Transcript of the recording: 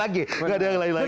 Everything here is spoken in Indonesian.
gak ada yang lain lagi